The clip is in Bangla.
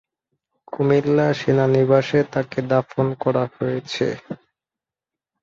কুমিল্লা সেনানিবাসে তাকে দাফন করা হয়েছে।